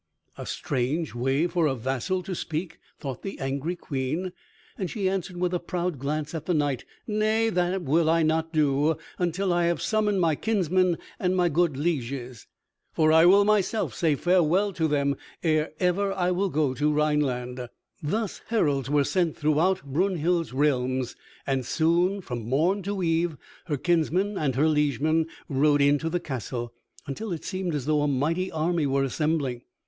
"A strange way for a vassal to speak," thought the angry Queen, and she answered with a proud glance at the knight, "Nay, that will I not do until I have summoned my kinsmen and my good lieges. For I will myself say farewell to them ere ever I will go to Rhineland." Thus heralds were sent throughout Brunhild's realms, and soon from morn to eve her kinsmen and her liegemen rode into the castle, until it seemed as though a mighty army were assembling.